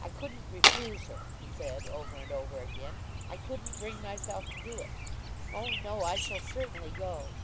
"I couldn't refuse her," he said over and over again. "I couldn't bring myself to do it. Oh, no; I shall certainly go."